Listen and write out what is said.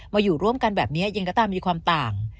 อยู่ร่วมกันแบบนี้ยังก็ตามมีความต่าง